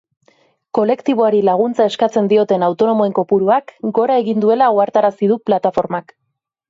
Kolektiboari laguntza eskatzen dioten autonomoen kopuruak gora egin duela ohartarazi du plataformak.